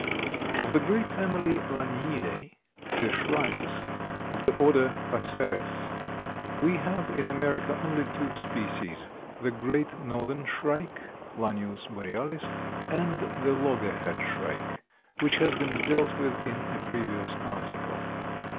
_) Of the great family Laniidae, the shrikes, of the order Passeres, we have in America only two species, the Great Northern Shrike, Lanius borealis, and the loggerhead shrike, which has been dealt with in a previous article.